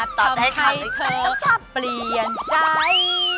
ฉันคงไม่อาจทำให้เธอเปลี่ยนใจ